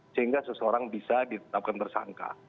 sehingga seseorang bisa ditetapkan tersangka